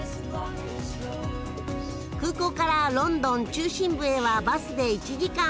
空港からロンドン中心部へはバスで１時間。